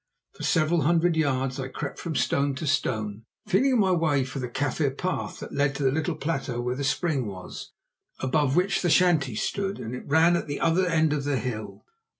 For several hundred yards I crept from stone to stone, feeling my way, for the Kaffir path that led to the little plateau where the spring was, above which the shanties stood, ran at the other end of the hill.